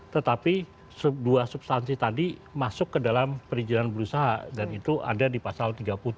tetapi dua substansi tadi masuk ke dalam perizinan berusaha dan itu ada di pasal tiga puluh tujuh